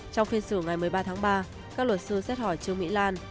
trong phiên xử ngày một mươi ba tháng ba các luật sư xét hỏi trương mỹ lan